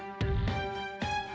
masuk ke rumahnya